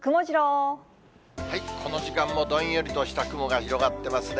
この時間もどんよりとした雲が広がってますね。